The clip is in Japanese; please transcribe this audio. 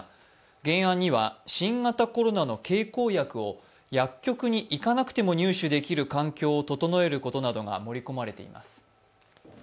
原案には新型コロナの経口薬を薬局に行かなくても入手できる環境を整えることなどが盛り込まれています。